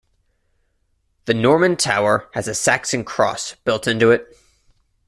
The Norman tower has a Saxon cross built into it.